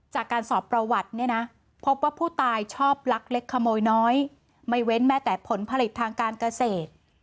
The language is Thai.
จากการสอบประวัติเนี่ยนะพบว่าผู้ตายชอบลักเล็กขโมยน้อยไม่เว้นแม้แต่ผลผลิตทางการเกษตร